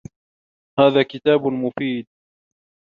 هَذَا كِتَابٌ مُفِيدٌ.